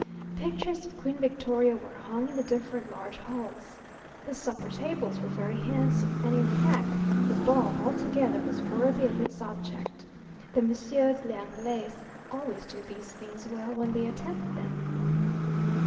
Pictures of Queen Victoria were hung in the different large halls. The supper tables were very handsome; and in fact the ball altogether was worthy of its object; for Messieurs les Anglais always do these things well when they attempt them.